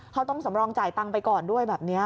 เขาต้องสำรองจ่ายตังค์ไปก่อนด้วยแบบนี้